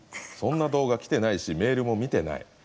そんな動画きてないしメールも見てない。